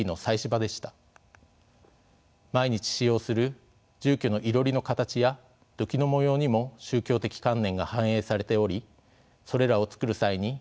毎日使用する住居のいろりの形や土器の模様にも宗教的観念が反映されておりそれらを作る際に意味が受け継がれます。